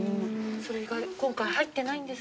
それが今回入ってないんです。